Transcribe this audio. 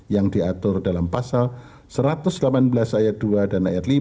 yang diatur dalam pasal satu ratus delapan belas ayat dua dan ayat lima